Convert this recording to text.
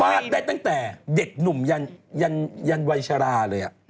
ได้ตั้งแต่เด็กหนุ่มยันยันวัยชราเลย